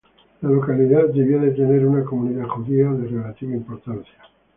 La localidad debió de tener una comunidad judía de relativa importancia.